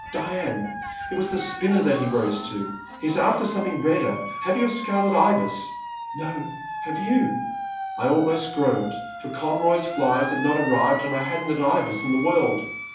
Diane, it was the spinner that he rose to. He 's after something redder. Have you a Scarlet Ibis? ''*' No — have you?" I almost groaned, for Conroy's flies had not arrived, and I had n't an Ibis in the world.